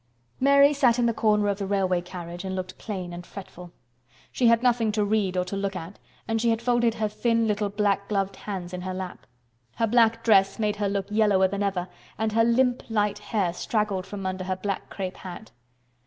Mary sat in her corner of the railway carriage and looked plain and fretful. She had nothing to read or to look at, and she had folded her thin little black gloved hands in her lap. Her black dress made her look yellower than ever, and her limp light hair straggled from under her black crêpe hat.